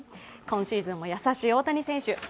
今シーズンも優しい大谷選手